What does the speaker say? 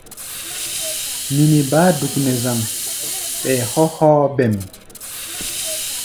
Nini baá duk nɛ zaŋ, ɓɛɛ hɔ́ hɔ́ɔ́-bêm.